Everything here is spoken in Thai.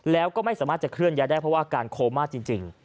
แล้วก็ไม่สามารถจะเคลื่อนย้ายได้เพราะว่าอาการโคม่าจริง